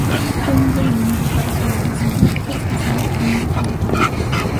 Fue miembro de numerosas sociedades científicas, quizá más que ningún contemporáneo.